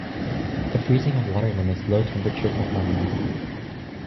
The freezing of water limits low temperature performance.